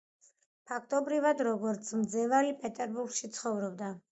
ფაქტობრივად როგორც მძევალი, პეტერბურგში ცხოვრობდა.